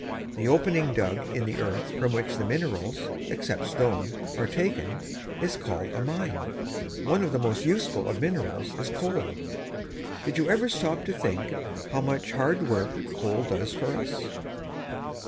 The opening dug in the earth from which minerals, except stone, are taken; is called a mine. One of the most useful of minerals is coal. Did you ever stop to think how much hard work coal does for us?